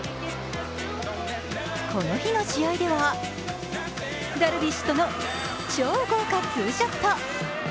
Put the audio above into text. この日の試合ではダルビッシュとの超豪華ツーショット。